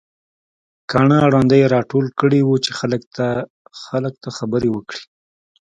کاڼه او ړانده يې راټول کړي وو چې خلک ته خبرې وکړي.